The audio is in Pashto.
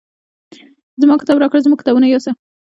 زما کتاب راکړه زموږ کتابونه یوسه.